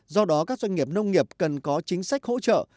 do đó các doanh nghiệp nông nghiệp cần có chính sách hỗ trợ